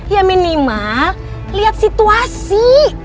ya minimal lihat situasi